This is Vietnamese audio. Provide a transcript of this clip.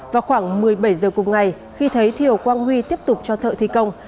vào khoảng một mươi bảy h cùng ngày khi thấy thiều quang huy tiếp tục cho thợ thi công